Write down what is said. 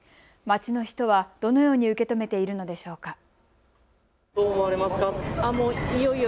街の人はどのように受け止めているのでしょうか。